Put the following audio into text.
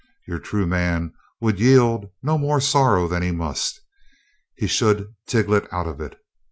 Your true man would yield no more to sorrow than he must. He should tiglit out of it.